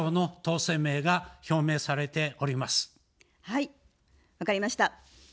はい、わかりました。